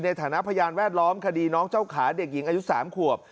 ในฐานะพยานแวดล้อมคดีน้องเจ้าขาเด็กหญิงอายุ๓ขวบ